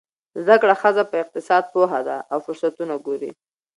زده کړه ښځه په اقتصاد پوهه ده او فرصتونه ګوري.